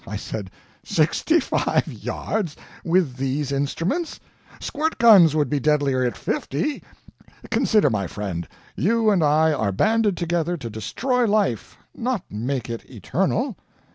I said: "Sixty five yards, with these instruments? Squirt guns would be deadlier at fifty. Consider, my friend, you and I are banded together to destroy life, not make it eternal."